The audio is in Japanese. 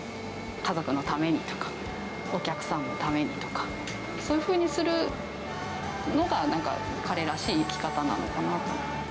家族のためにとか、お客さんのためにとか、そういうふうにするのが、なんか彼らしい生き方なのかなって。